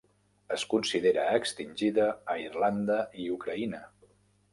Es considera extingida a Irlanda i Ucraïna.